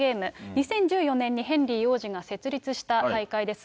２０１４年にヘンリー王子が設立した大会です。